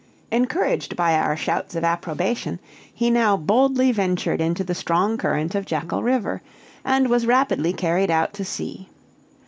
Encouraged by our shouts of approbation, he now boldly ventured into the strong current of Jackal River, and was rapidly carried out to sea.